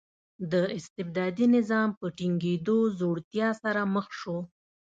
د استبدادي نظام په ټینګېدو ځوړتیا سره مخ شو.